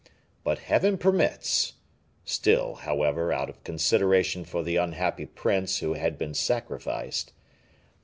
But Heaven permits (still, however, out of consideration for the unhappy prince who had been sacrificed) that M.